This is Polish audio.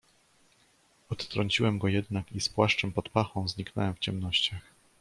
"Odtrąciłem go jednak i z płaszczem pod pachą zniknąłem w ciemnościach."